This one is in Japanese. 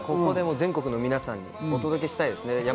全国の皆さんにお届けしたいですね。